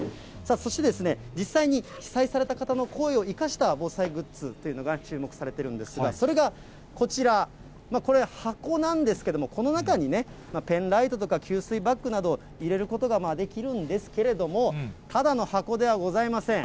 そしてですね、実際に被災された方の声を生かした防災グッズというのが注目されているんですが、それがこちら、これ、箱なんですけども、この中にペンライトとか給水バッグなど入れることができるんですけれども、ただの箱ではございません。